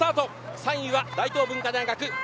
３位は大東文化大学。